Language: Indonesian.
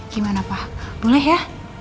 gimana pak boleh ya